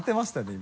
今。